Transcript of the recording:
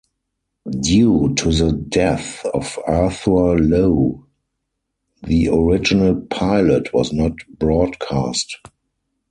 Due to the death of Arthur Lowe, the original pilot was not broadcast.